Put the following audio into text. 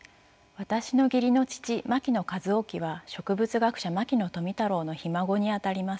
私の義理の父牧野一は植物学者牧野富太郎のひ孫にあたります。